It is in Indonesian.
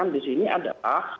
di sini adalah